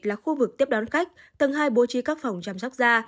là khu vực tiếp đón khách tầng hai bố trí các phòng chăm sóc da